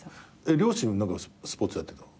両親何かスポーツやってたの？